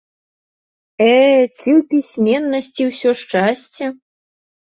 Э, ці ў пісьменнасці ўсё шчасце?